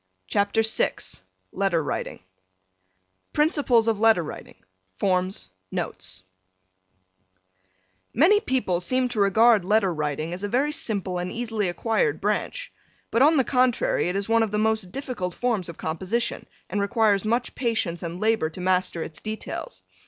'" CHAPTER VI LETTER WRITING Principles of Letter Writing Forms Notes Many people seem to regard letter writing as a very simple and easily acquired branch, but on the contrary it is one of the most difficult forms of composition and requires much patience and labor to master its details.